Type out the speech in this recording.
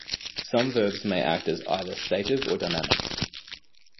Some verbs may act as either stative or dynamic.